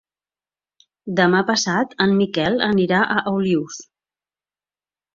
Demà passat en Miquel anirà a Olius.